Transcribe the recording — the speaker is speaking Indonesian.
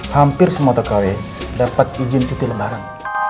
hampir semua tkw dapat izin titik lembaran